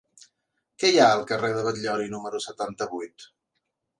Què hi ha al carrer de Batllori número setanta-vuit?